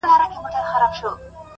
تېره جنازه سوله اوس ورا ته مخامخ يمه،